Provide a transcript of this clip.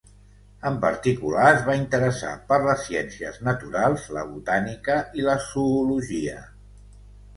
En particular, es va interessar per les ciències naturals, la botànica i la zoologia.